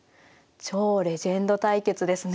超レジェンド対決ですね。